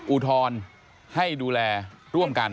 อุทธรณ์ให้ดูแลร่วมกัน